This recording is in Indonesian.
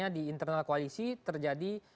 di internal koalisi terjadi